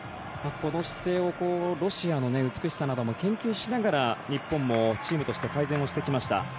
この姿勢をロシアの美しさなども研究しながら日本もチームとして改善をしてきました。